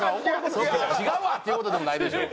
「違うわ！」って言うほどでもないでしょ。